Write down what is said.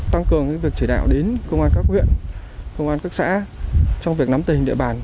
tăng cường việc chỉ đạo đến công an các huyện công an các xã trong việc nắm tình địa bàn